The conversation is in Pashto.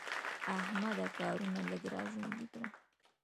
احمده کارونه لږ را ژوندي کړه.